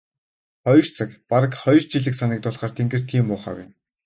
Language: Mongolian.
Хоёр цаг бараг хоёр жилийг санагдуулахаар тэнгэр тийм муухай байна.